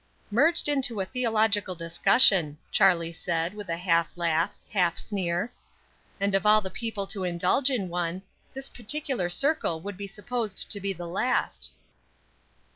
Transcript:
"Merged into a theological discussion," Charlie said, with a half laugh, half sneer; "and of all the people to indulge in one, this particular circle would be supposed to be the last."